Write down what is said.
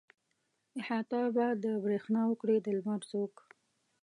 احاطه به د برېښنا وکړي د لمر څوک.